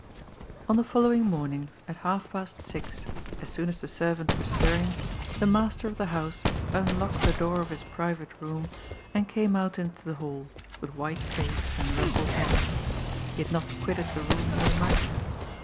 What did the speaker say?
Ok the following morning, at half past six, as soon as the servants were stirring, the master of the house unlocked the door of his private room, and came out into the hall, with white face and rumpled hair. He had not quitted the room all night.